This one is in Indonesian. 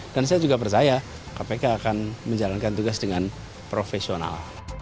dan saya juga percaya kpk akan menjalankan tugas dengan profesional